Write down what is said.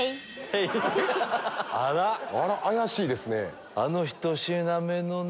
あら⁉怪しいですね。